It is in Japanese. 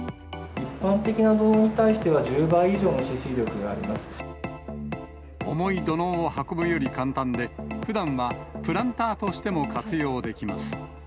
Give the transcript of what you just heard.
一般的な土のうに対しては、重い土のうを運ぶより簡単で、ふだんはプランターとしても活用できます。